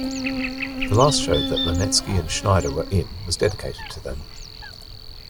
The last show that Linetsky and Schneider were in was dedicated to them.